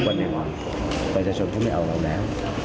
วันหนึ่งประชาชนเขาไม่เอาเราแล้ว